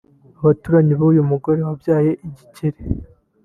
Abaturanyi b’uyu mugore wabyaye igikeri